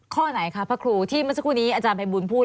ข้อไหนคะพระครูที่เมื่อสักครู่นี้อาจารย์ภัยบูลพูด